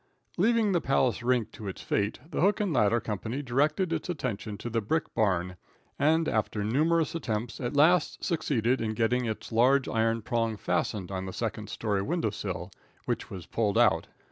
Leaving the Palace rink to its fate, the hook and ladder company directed its attention to the brick barn, and, after numerous attempts, at last succeeded in getting its large iron prong fastened on the second story window sill, which was pulled out.